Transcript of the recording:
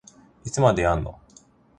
いつまでやんの